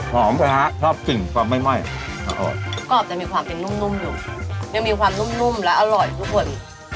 หอมเลยฮะชอบกินสว่างไม่ไหม้ผัดไหลขอบประกาศเลยความเป็นนุ่มอยู่ยังมีความนุ่มนุ่มและอร่อยทุกคน